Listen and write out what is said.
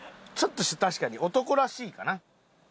ちょっと確かに男らしいかな。